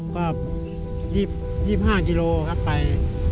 ก็๒๕กิโลครับไป